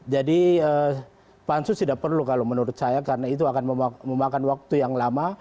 jadi pansus tidak perlu kalau menurut saya karena itu akan memakan waktu yang lama